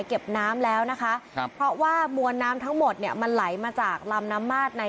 เก็บน้ำแล้วนะคะครับเพราะว่ามวลน้ำทั้งหมดเนี่ยมันไหลมาจากลำน้ำมาดใน